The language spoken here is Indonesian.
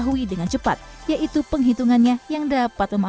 hasil menggunakan data dari kpu juga menggunakan input data